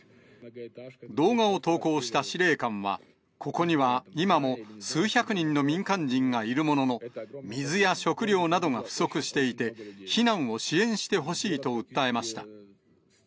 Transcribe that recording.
動画を投稿した司令官は、ここには今も数百人の民間人がいるものの、水や食料などが不足していて、避難を支援してほしいと訴えました。